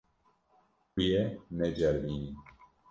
Tu yê neceribînî.